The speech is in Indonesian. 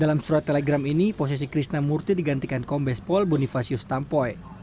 dalam surat telegram ini posisi krisna murthy digantikan kombespol bonifasius tampoy